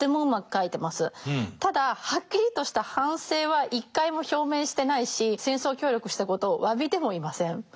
ただはっきりとした反省は一回も表明してないし戦争協力したことを詫びてもいません。